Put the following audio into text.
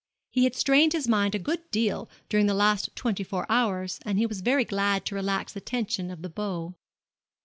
He had strained his mind a good deal during the last twenty four hours, and he was very glad to relax the tension of the bow.